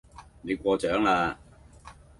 你過獎啦